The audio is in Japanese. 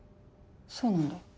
そうなんだ。